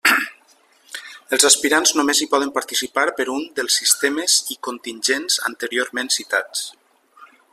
Els aspirants només hi poden participar per un dels sistemes i contingents anteriorment citats.